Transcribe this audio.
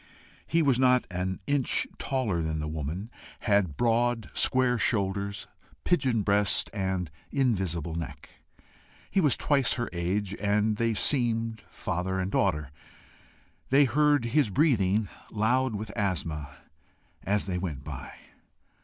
He was not an inch taller than the woman, had broad, square shoulders, pigeon breast, and invisible neck. He was twice her age, and they seemed father and daughter. They heard his breathing, loud with asthma, as they went by.